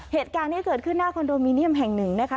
เหตุการณ์นี้เกิดขึ้นหน้าคอนโดมิเนียมแห่งหนึ่งนะคะ